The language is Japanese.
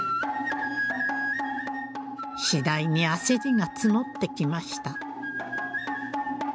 次第に焦りが募ってきました。